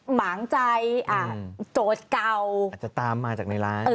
หมางใจโจทย์เก่าอาจจะตามมาจากในร้าน